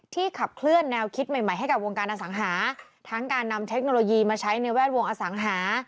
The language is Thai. ขับเคลื่อนแนวคิดใหม่ใหม่ให้กับวงการอสังหาทั้งการนำเทคโนโลยีมาใช้ในแวดวงอสังหา